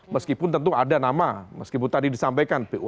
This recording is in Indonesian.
meskipun tentu ada nama meskipun tadi disampaikan bumn mungkin